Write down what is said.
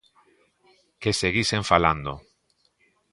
Que seguisen falando.